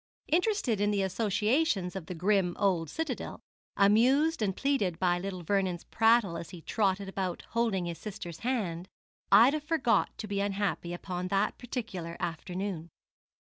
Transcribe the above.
Interested in the associations of the grim old citadel, amused and pleased by little Vernon's prattle as he trotted about holding his sister's hand, Ida forgot to be unhappy upon that particular afternoon.